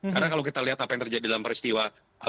karena kalau kita lihat apa yang terjadi dalam peristiwa